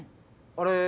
あれ？